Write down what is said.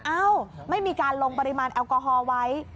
เอ้าไม่มีการลงปริมาณแอลกอฮอล์ไว้